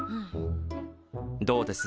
どうです？